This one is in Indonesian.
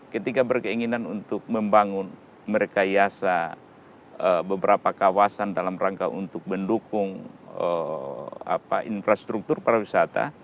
ketika berkeinginan untuk membangun merekayasa beberapa kawasan dalam rangka untuk mendukung infrastruktur para wisata